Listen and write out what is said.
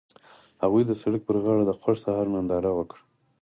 هغوی د سړک پر غاړه د خوښ سهار ننداره وکړه.